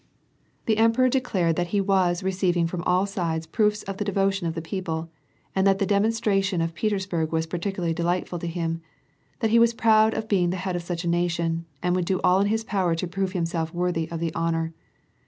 252 WAR A\D PEACE. The emperor declared that he was receiving from all sides proofs of the devotion of the people, and that the demonstrar tion of Petersburg was particularly delightful to him, that he was proud of being the head of such a nation, and would do all in his power to prove himself worthy of the honor.